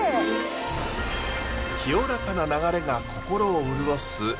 清らかな流れが心を潤す